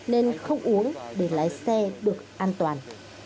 nên không uống để lái xe được an toàn